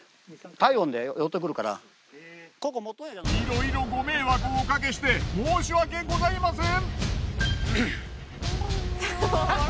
いろいろご迷惑をおかけして申し訳ございません。